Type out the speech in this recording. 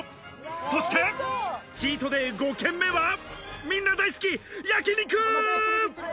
そして、チートデイ５軒目は、みんな大好き、焼肉！